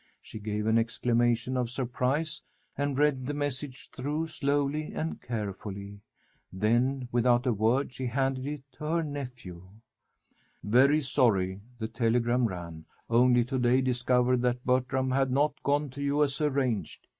She gave an exclamation of surprise and read the message through slowly and carefully. Then, without a word, she handed it to her nephew. "Very sorry," the telegram ran, "only to day discovered that Bertram had not gone to you as arranged.